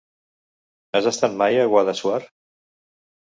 Has estat mai a Guadassuar?